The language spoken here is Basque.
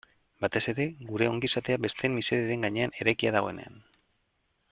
Batez ere, gure ongizatea besteen miseriaren gainean eraikia dagoenean.